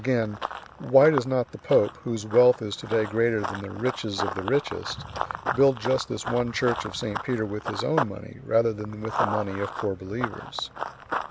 Again: "Why does not the pope, whose wealth is to day greater than the riches of the richest, build just this one church of St. Peter with his own money, rather than with the money of poor believers?"